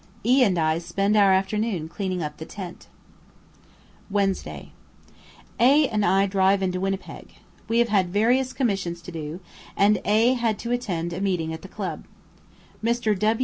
E and I spend our afternoon cleaning up the tent. Wednesday. A and I drive into Winnipeg. We have had various commissions to do, and A had to attend a meeting at the Club. Mr.